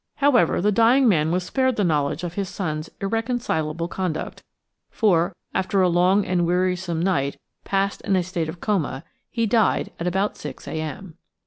However, the dying man was spared the knowledge of his son's irreconcilable conduct, for, after a long and wearisome night passed in a state of coma, he died at about 6.0 a.m.